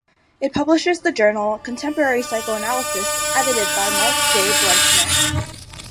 It publishes the journal "Contemporary Psychoanalysis", edited by Mark J. Blechner.